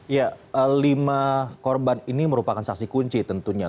ya lima korban ini merupakan saksi kunci tentunya